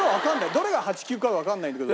どれが８９かがわかんないんだけど。